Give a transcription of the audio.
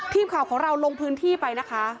ทีมข่าวของเราลงพื้นที่ไปนะคะ